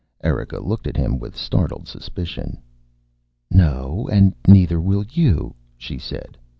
Erika looked at him with startled suspicion. "No, and neither will you," she said.